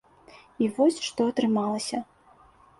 І вось што атрымалася.